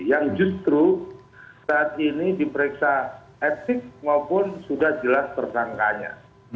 yang justru saat ini diperiksa etik maupun sudah jelas tersangkanya